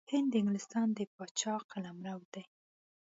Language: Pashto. هند د انګلستان د پاچا قلمرو دی.